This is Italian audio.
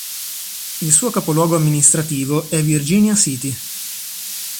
Il suo capoluogo amministrativo è Virginia City.